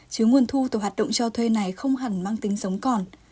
chứ nguồn thu tổ hạt động cho thuê này không hẳn mang tính sống còn